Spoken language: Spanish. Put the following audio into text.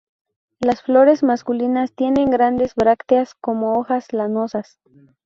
Las flores masculinas tienen grandes brácteas como hojas lanosas.